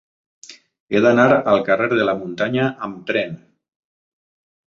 He d'anar al carrer de la Muntanya amb tren.